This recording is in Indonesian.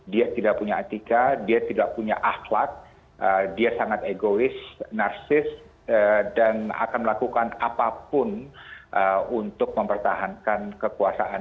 dia tidak punya etika dia tidak punya akhlak dia sangat egois narsis dan akan melakukan apapun untuk mempertahankan kekuasaan